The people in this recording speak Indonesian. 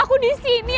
aku gak bisa k tumbuh